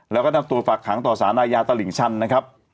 แล้วก็นำตัวฝากขังต่อสารอาญาตลิ่งชันนะครับ